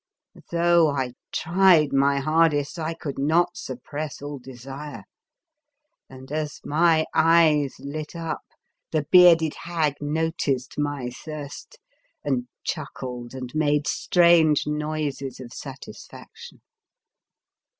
Though I tried my hardest, I could not suppress all desire ; and, as 80 The Fearsome Island my eyes lit up, the bearded hag no ticed my thirst, and chuckled and made strange noises of satisfaction.